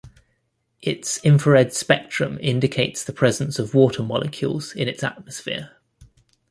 Its infrared spectrum indicates the presence of water molecules in its atmosphere.